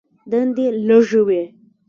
دندې لږې وې.